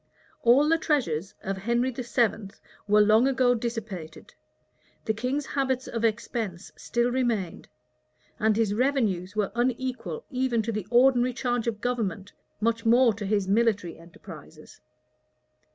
All the treasures of Henry VII. were long ago dissipated; the king's habits of expense still remained; and his revenues were unequal even to the ordinary charge of government, much more to his military enterprises.